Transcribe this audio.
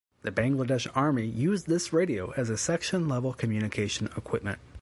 The Bangladesh Army use this radio as a section level communication equipment.